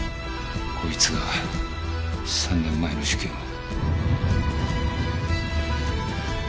こいつが３年前の事件を。